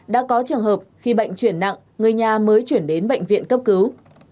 đã có trường hợp khi bệnh chuyển nặng người nhà mới chuyển đến bệnh viện cấp cứu